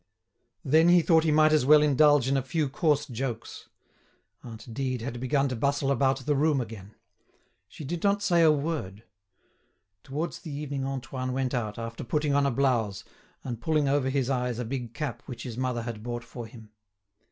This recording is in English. Then he thought he might as well indulge in a few coarse jokes. Aunt Dide had begun to bustle about the room again. She did not say a word. Towards the evening Antoine went out, after putting on a blouse, and pulling over his eyes a big cap which his mother had bought for him.